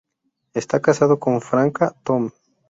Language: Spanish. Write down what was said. Está casado con Franca Tome.